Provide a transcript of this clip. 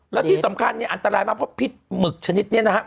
แล้วที่สำคัญอันตรายมากพิษมึกชนิดนี้นะครับ